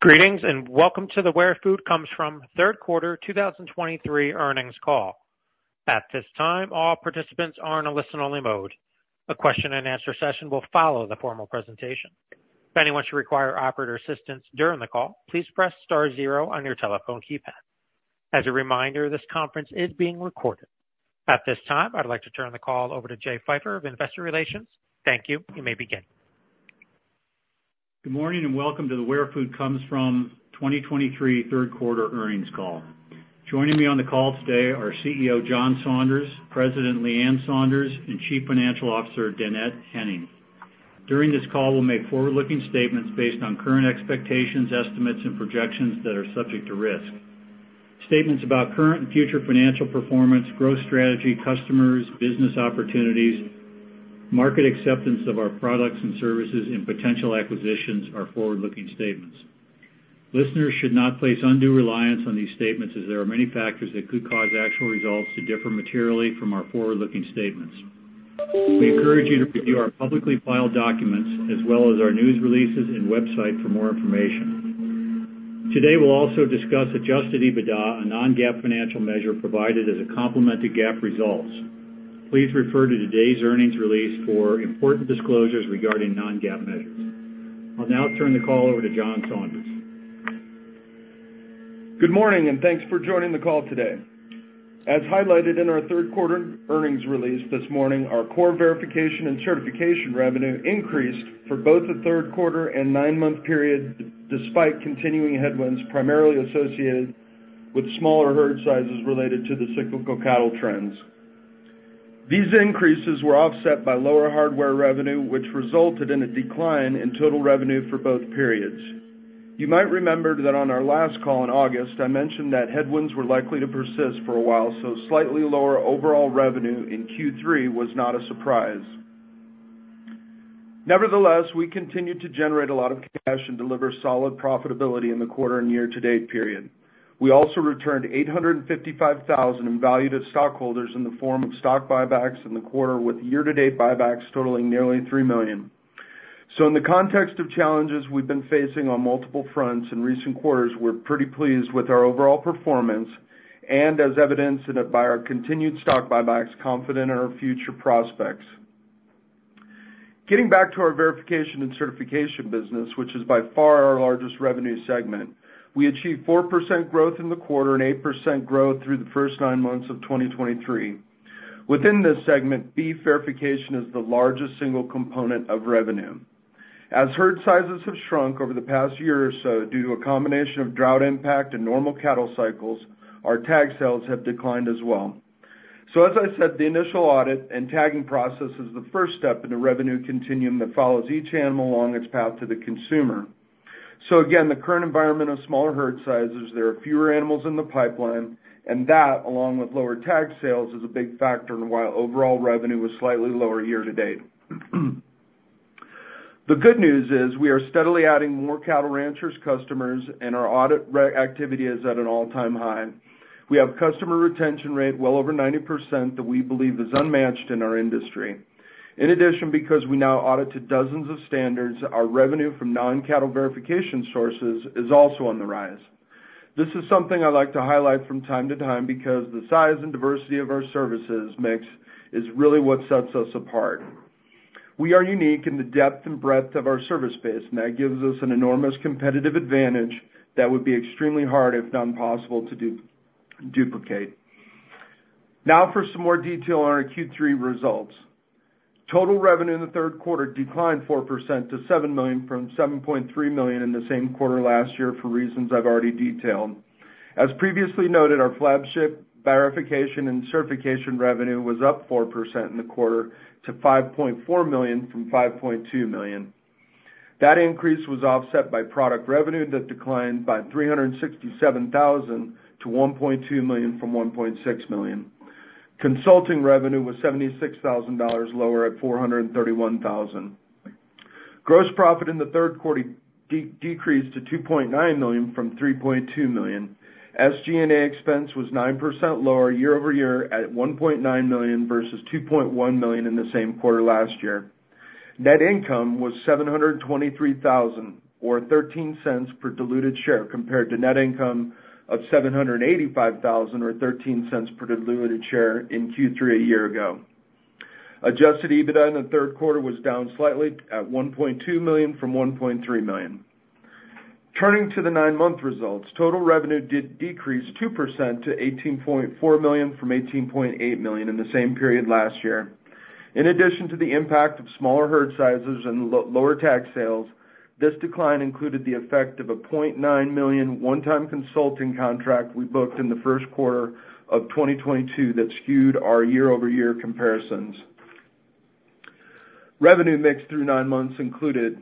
Greetings, and welcome to the Where Food Comes From third quarter 2023 earnings call. At this time, all participants are in a listen-only mode. A question-and-answer session will follow the formal presentation. If anyone should require operator assistance during the call, please press star zero on your telephone keypad. As a reminder, this conference is being recorded. At this time, I'd like to turn the call over to Jay Pfeiffer of Investor Relations. Thank you. You may begin. Good morning, and welcome to the Where Food Comes From 2023 third quarter earnings call. Joining me on the call today are CEO, John Saunders, President Leann Saunders, and Chief Financial Officer, Dannette Henning. During this call, we'll make forward-looking statements based on current expectations, estimates, and projections that are subject to risk. Statements about current and future financial performance, growth strategy, customers, business opportunities, market acceptance of our products and services, and potential acquisitions are forward-looking statements. Listeners should not place undue reliance on these statements, as there are many factors that could cause actual results to differ materially from our forward-looking statements. We encourage you to review our publicly filed documents as well as our news releases and website for more information. Today, we'll also discuss Adjusted EBITDA, a non-GAAP financial measure provided as a complement to GAAP results. Please refer to today's earnings release for important disclosures regarding non-GAAP measures. I'll now turn the call over to John Saunders. Good morning, and thanks for joining the call today. As highlighted in our third quarter earnings release this morning, our core verification and certification revenue increased for both the third quarter and nine-month period, despite continuing headwinds, primarily associated with smaller herd sizes related to the cyclical cattle trends. These increases were offset by lower hardware revenue, which resulted in a decline in total revenue for both periods. You might remember that on our last call in August, I mentioned that headwinds were likely to persist for a while, so slightly lower overall revenue in Q3 was not a surprise. Nevertheless, we continued to generate a lot of cash and deliver solid profitability in the quarter and year-to-date period. We also returned $855,000 in value to stockholders in the form of stock buybacks in the quarter, with year-to-date buybacks totaling nearly $3 million. So in the context of challenges we've been facing on multiple fronts in recent quarters, we're pretty pleased with our overall performance and, as evidenced by our continued stock buybacks, confident in our future prospects. Getting back to our verification and certification business, which is by far our largest revenue segment, we achieved 4% growth in the quarter and 8% growth through the first nine months of 2023. Within this segment, beef verification is the largest single component of revenue. As herd sizes have shrunk over the past year or so due to a combination of drought impact and normal cattle cycles, our tag sales have declined as well. So as I said, the initial audit and tagging process is the first step in a revenue continuum that follows each animal along its path to the consumer. So again, the current environment of smaller herd sizes, there are fewer animals in the pipeline, and that, along with lower tag sales, is a big factor in why overall revenue was slightly lower year-to-date. The good news is we are steadily adding more cattle ranchers, customers, and our audit activity is at an all-time high. We have customer retention rate well over 90% that we believe is unmatched in our industry. In addition, because we now audit to dozens of standards, our revenue from non-cattle verification sources is also on the rise. This is something I like to highlight from time to time, because the size and diversity of our services mix is really what sets us apart. We are unique in the depth and breadth of our service base, and that gives us an enormous competitive advantage that would be extremely hard, if not impossible, to duplicate. Now for some more detail on our Q3 results. Total revenue in the third quarter declined 4% to $7 million from $7.3 million in the same quarter last year, for reasons I've already detailed. As previously noted, our flagship verification and certification revenue was up 4% in the quarter to $5.4 million from $5.2 million. That increase was offset by product revenue that declined by $367,000 to $1.2 million from $1.6 million. Consulting revenue was $76,000 lower at $431,000. Gross profit in the third quarter decreased to $2.9 million from $3.2 million. SG&A expense was 9% lower year-over-year at $1.9 million versus $2.1 million in the same quarter last year. Net income was $723,000, or $0.13 per diluted share, compared to net income of $785,000 or $0.13 per diluted share in Q3 a year ago. Adjusted EBITDA in the third quarter was down slightly at $1.2 million from $1.3 million. Turning to the nine-month results, total revenue did decrease 2% to $18.4 million from $18.8 million in the same period last year. In addition to the impact of smaller herd sizes and lower tag sales, this decline included the effect of a $0.9 million one-time consulting contract we booked in the first quarter of 2022 that skewed our year-over-year comparisons. Revenue mix through nine months included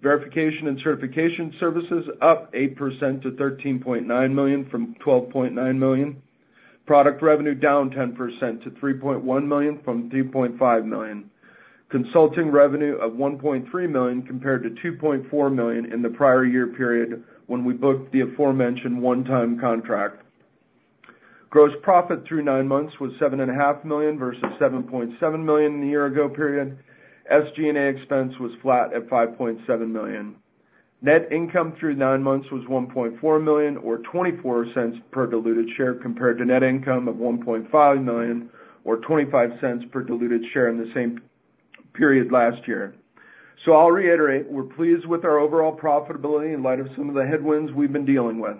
verification and certification services, up 8% to $13.9 million from $12.9 million. Product revenue down 10% to $3.1 million from $3.5 million. Consulting revenue of $1.3 million compared to $2.4 million in the prior year period when we booked the aforementioned one-time contract. Gross profit through nine months was $7.5 million versus $7.7 million in the year ago period. SG&A expense was flat at $5.7 million. Net income through nine months was $1.4 million, or $0.24 per diluted share, compared to net income of $1.5 million, or $0.25 per diluted share in the same period last year. So I'll reiterate, we're pleased with our overall profitability in light of some of the headwinds we've been dealing with.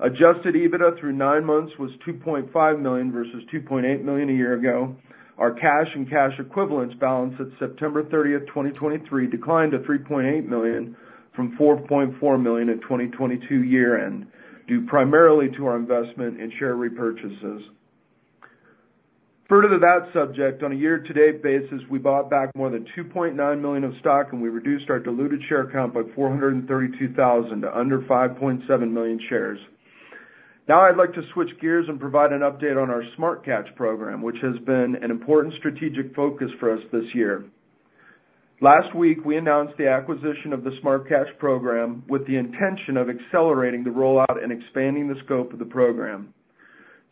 Adjusted EBITDA through nine months was $2.5 million versus $2.8 million a year ago. Our cash and cash equivalents balance at September 30, 2023, declined to $3.8 million from $4.4 million at 2022 year-end, due primarily to our investment in share repurchases. Further to that subject, on a year-to-date basis, we bought back more than $2.9 million of stock, and we reduced our diluted share count by 432,000 to under 5.7 million shares. Now I'd like to switch gears and provide an update on our Smart Catch program, which has been an important strategic focus for us this year. Last week, we announced the acquisition of the Smart Catch program with the intention of accelerating the rollout and expanding the scope of the program.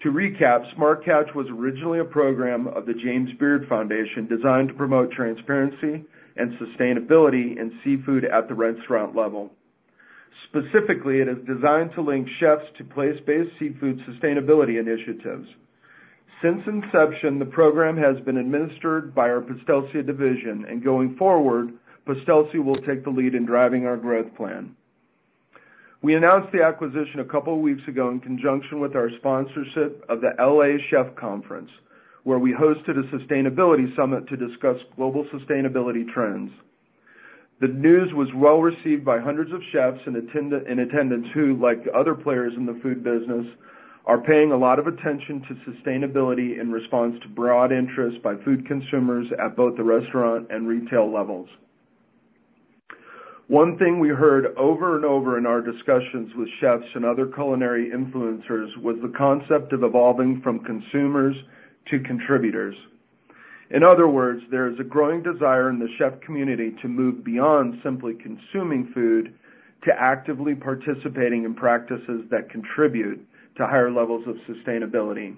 To recap, Smart Catch was originally a program of the James Beard Foundation, designed to promote transparency and sustainability in seafood at the restaurant level. Specifically, it is designed to link chefs to place-based seafood sustainability initiatives. Since inception, the program has been administered by our Postelsia division, and going forward, Postelsia will take the lead in driving our growth plan. We announced the acquisition a couple of weeks ago in conjunction with our sponsorship of the LA Chef Conference, where we hosted a sustainability summit to discuss global sustainability trends. The news was well received by hundreds of chefs in attendance, who, like other players in the food business, are paying a lot of attention to sustainability in response to broad interest by food consumers at both the restaurant and retail levels. One thing we heard over and over in our discussions with chefs and other culinary influencers was the concept of evolving from consumers to contributors. In other words, there is a growing desire in the chef community to move beyond simply consuming food, to actively participating in practices that contribute to higher levels of sustainability.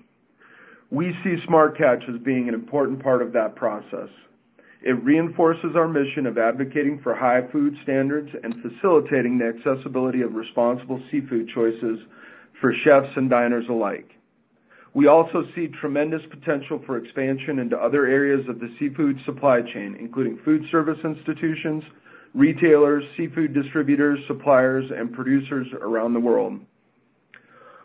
We see Smart Catch as being an important part of that process. It reinforces our mission of advocating for high food standards and facilitating the accessibility of responsible seafood choices for chefs and diners alike. We also see tremendous potential for expansion into other areas of the seafood supply chain, including food service institutions, retailers, seafood distributors, suppliers, and producers around the world.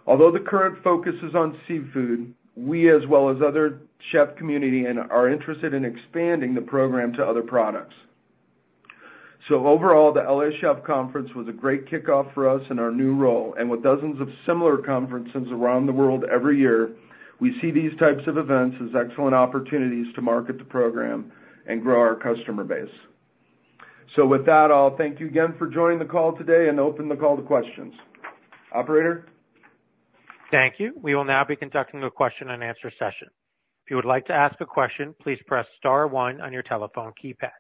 Although the current focus is on seafood, we, as well as other chef community, and are interested in expanding the program to other products. Overall, the LA Chef Conference was a great kickoff for us in our new role, and with dozens of similar conferences around the world every year, we see these types of events as excellent opportunities to market the program and grow our customer base. So with that, I'll thank you again for joining the call today and open the call to questions. Operator? Thank you. We will now be conducting a question-and-answer session. If you would like to ask a question, please press star one on your telephone keypad.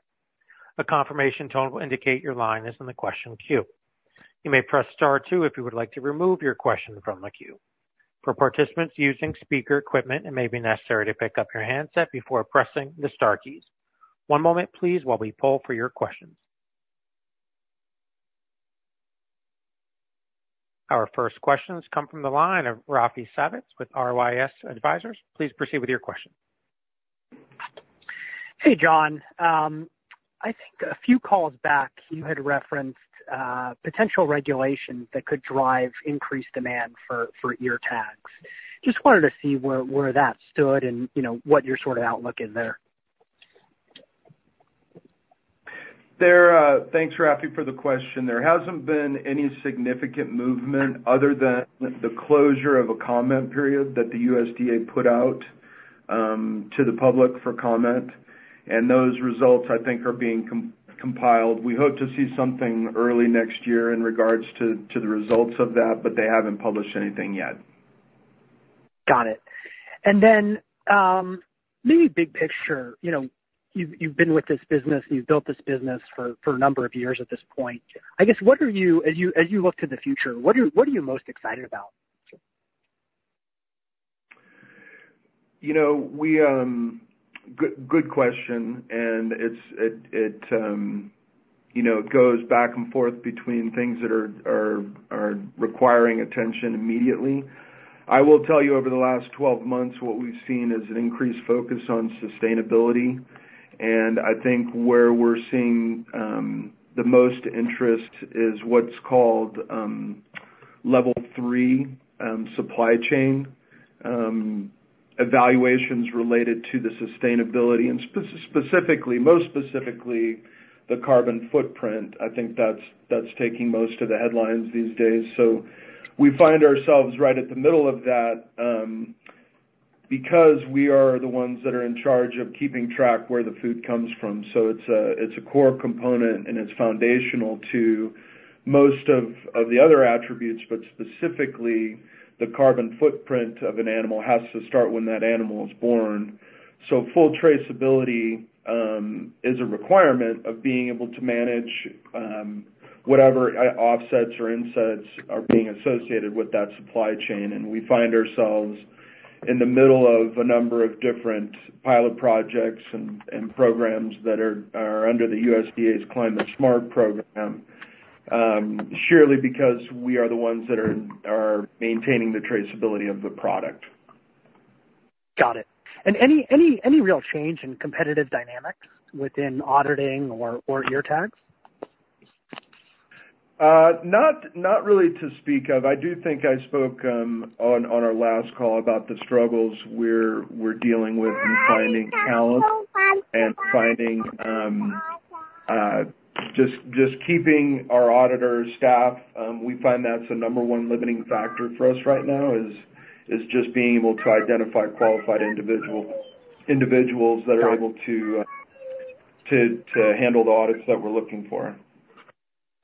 A confirmation tone will indicate your line is in the question queue. You may press Star two if you would like to remove your question from the queue. For participants using speaker equipment, it may be necessary to pick up your handset before pressing the star keys. One moment please, while we poll for your questions. Our first questions come from the line of Raphi Savitz with RYS Advisors. Please proceed with your question. Hey, John. I think a few calls back, you had referenced potential regulation that could drive increased demand for ear tags. Just wanted to see where that stood and, you know, what your sort of outlook is there. Thanks, Raphi, for the question. There hasn't been any significant movement other than the closure of a comment period that the USDA put out to the public for comment, and those results, I think, are being compiled. We hope to see something early next year in regards to the results of that, but they haven't published anything yet. Got it. And then, maybe big picture, you know, you've, you've been with this business, and you've built this business for, for a number of years at this point. I guess, what are you, as you, as you look to the future, what are you, what are you most excited about? You know, we... Good, good question, and it's, you know, it goes back and forth between things that are requiring attention immediately. I will tell you, over the last 12 months, what we've seen is an increased focus on sustainability, and I think where we're seeing the most interest is what's called Level 3 supply chain evaluations related to the sustainability and specifically, most specifically, the carbon footprint. I think that's taking most of the headlines these days. So we find ourselves right at the middle of that because we are the ones that are in charge of keeping track where the food comes from. So it's a core component, and it's foundational to most of the other attributes, but specifically, the carbon footprint of an animal has to start when that animal is born. So full traceability is a requirement of being able to manage whatever offsets or insets are being associated with that supply chain. And we find ourselves in the middle of a number of different pilot projects and programs that are under the USDA's Climate Smart program, surely because we are the ones that are maintaining the traceability of the product. Got it. Any real change in competitive dynamics within auditing or ear tags? Not, not really to speak of. I do think I spoke on, on our last call about the struggles we're, we're dealing with in finding talent and finding just, just keeping our auditor staff. We find that's the number one limiting factor for us right now, is, is just being able to identify qualified individuals that are able to to handle the audits that we're looking for.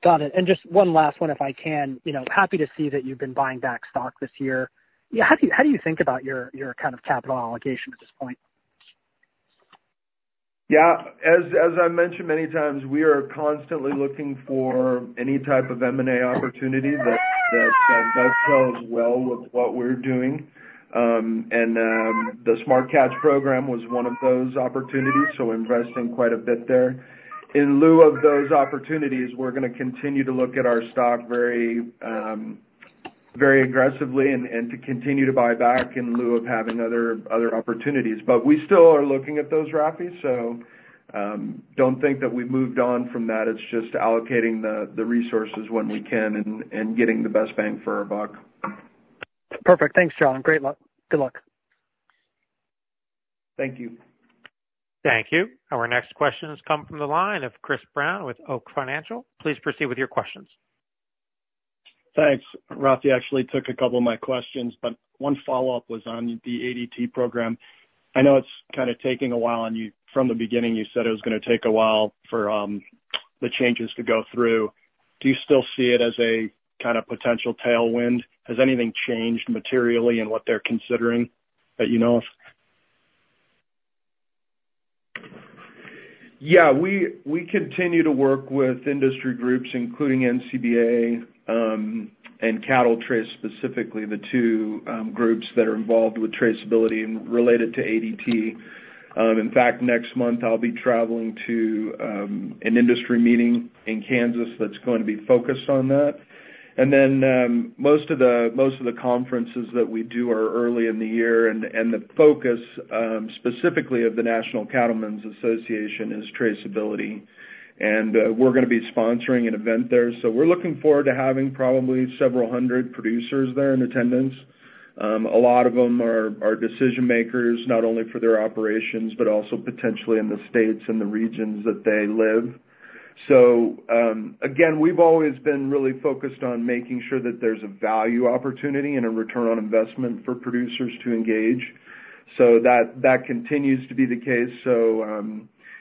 Got it. Just one last one, if I can. You know, happy to see that you've been buying back stock this year. Yeah. How do you, how do you think about your, your kind of capital allocation at this point? Yeah. As I mentioned many times, we are constantly looking for any type of M&A opportunity that does well with what we're doing. The Smart Catch program was one of those opportunities, so investing quite a bit there. In lieu of those opportunities, we're gonna continue to look at our stock very aggressively and to continue to buy back in lieu of having other opportunities. But we still are looking at those, Rafi, so don't think that we've moved on from that. It's just allocating the resources when we can and getting the best bang for our buck. Perfect. Thanks, John. Great luck. Good luck. Thank you. Thank you. Our next question has come from the line of Chris Brown with Oake Financial. Please proceed with your questions. Thanks. Raphi actually took a couple of my questions, but one follow-up was on the ADT program. I know it's kind of taking a while, and from the beginning, you said it was gonna take a while for the changes to go through. Do you still see it as a kind of potential tailwind? Has anything changed materially in what they're considering, that you know of? Yeah, we continue to work with industry groups, including NCBA and CattleTrace, specifically, the two groups that are involved with traceability and related to ADT. In fact, next month I'll be traveling to an industry meeting in Kansas that's going to be focused on that. Then, most of the conferences that we do are early in the year, and the focus, specifically of the National Cattlemen's Association, is traceability. And, we're gonna be sponsoring an event there. So we're looking forward to having probably several hundred producers there in attendance. A lot of them are decision makers, not only for their operations, but also potentially in the states and the regions that they live. So, again, we've always been really focused on making sure that there's a value opportunity and a return on investment for producers to engage. So that, that continues to be the case. So,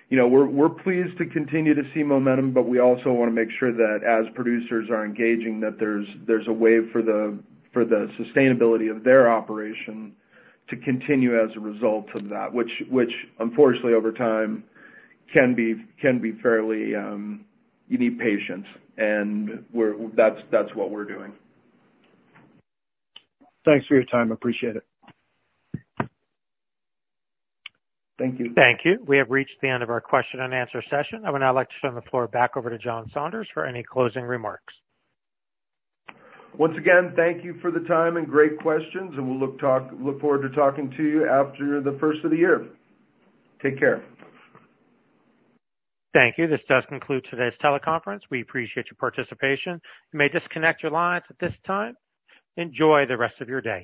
you know, we're, we're pleased to continue to see momentum, but we also wanna make sure that as producers are engaging, that there's, there's a way for the, for the sustainability of their operation to continue as a result of that, which, which unfortunately, over time, can be, can be fairly... You need patience. That's, that's what we're doing. Thanks for your time. I appreciate it. Thank you. Thank you. We have reached the end of our question and answer session. I would now like to turn the floor back over to John Saunders for any closing remarks. Once again, thank you for the time and great questions, and we'll look forward to talking to you after the first of the year. Take care. Thank you. This does conclude today's teleconference. We appreciate your participation. You may disconnect your lines at this time. Enjoy the rest of your day.